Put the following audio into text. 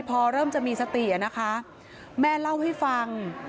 พอเริ่มจะมีสตินะคะแม่เล่าให้ฟัง